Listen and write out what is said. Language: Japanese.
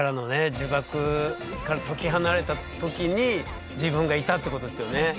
呪縛から解き放れた時に自分がいたってことですよね。